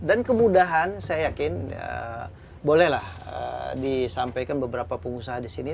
dan kemudahan saya yakin bolehlah disampaikan beberapa pengusaha di sini